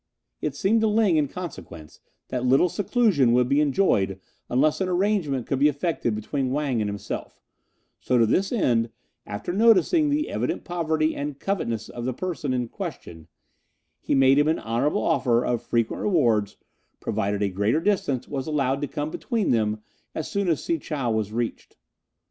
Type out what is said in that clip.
It seemed to Ling, in consequence, that little seclusion would be enjoyed unless an arrangement could be effected between Wang and himself; so to this end, after noticing the evident poverty and covetousness of the person in question, he made him an honourable offer of frequent rewards, provided a greater distance was allowed to come between them as soon as Si chow was reached.